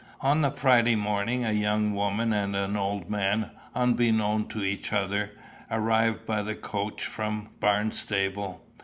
On the Friday morning, a young woman and an old man, unknown to each other, arrived by the coach from Barnstaple.